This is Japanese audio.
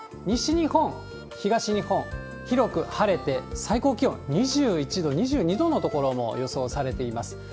西日本、東日本、広く晴れて、最高気温２１度、２２度の所も予想されています。